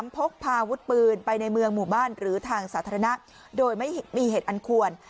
พกพาอาวุธปืนไปในเมืองหมู่บ้านหรือทางสาธารณะโดยไม่มีเหตุอันควร